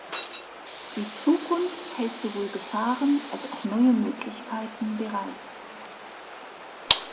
Die Zukunft hält sowohl Gefahren als auch neue Möglichkeiten bereit.